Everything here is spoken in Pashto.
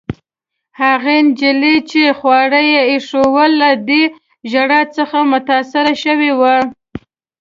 هغې نجلۍ، چي خواړه يې ایښوول، له دې ژړا څخه متاثره شوې وه.